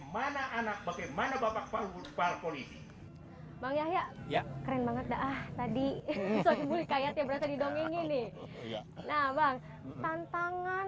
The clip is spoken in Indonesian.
pertunjukan sohibul hikayat adalah apa